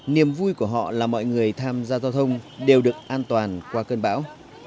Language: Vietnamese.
niềm vui của họ là mọi người tham gia giao thông đều được an toàn qua cơn bão